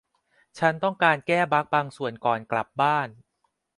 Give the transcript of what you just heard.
ฉันต้องการแก้บัคบางส่วนก่อนกลับบ้าน